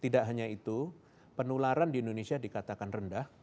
tidak hanya itu penularan di indonesia dikatakan rendah